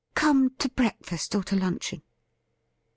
' Come to breakfast or to luncheon.'